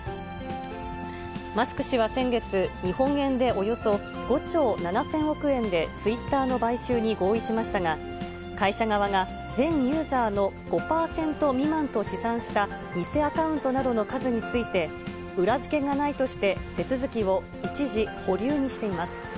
マスク氏は先月、日本円でおよそ５兆７０００億円でツイッターの買収に合意しましたが、会社側が、全ユーザーの５％未満と試算した偽アカウントなどの数について、裏付けがないとして、手続きを一時保留にしています。